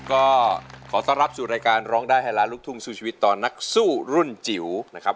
ก็ขอต้อนรับสู่รายการร้องได้ให้ล้านลูกทุ่งสู้ชีวิตต่อนักสู้รุ่นจิ๋วนะครับ